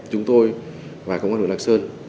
chúng tôi và công an hồ đặc sơn